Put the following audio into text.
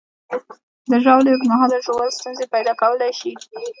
د ژاولې اوږد مهاله ژوول ستونزې پیدا کولی شي.